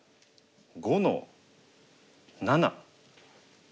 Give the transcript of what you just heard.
５の七。